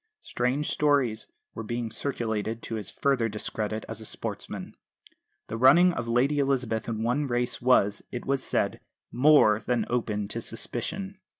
Strange stories were being circulated to his further discredit as a sportsman. The running of Lady Elizabeth in one race was, it was said, more than open to suspicion.